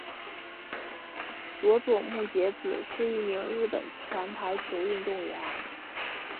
佐佐木节子是一名日本前排球运动员。